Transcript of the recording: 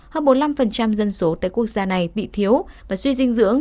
hơn bốn mươi năm dân số tại quốc gia này bị thiếu và suy dinh dưỡng